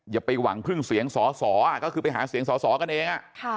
จะไปหวังพรึ่งเสียงสซก็คือไปหาเสียงสซกันเอง